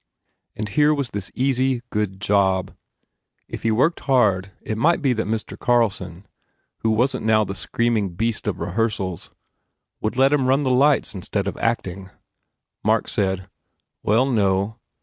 And here was this easy, good job. If he worked hard it might be that Mr. Carlson who wasn t now the screaming beast of rehearsals would let him run the lights instead of acting. Mark said, "Well, no.